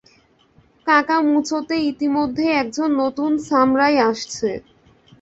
কাকামুচোতে ইতিমধ্যেই একজন নতুন সামরাই আছে।